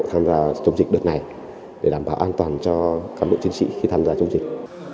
tham gia chống dịch đợt này để đảm bảo an toàn cho cán bộ chiến sĩ khi tham gia chống dịch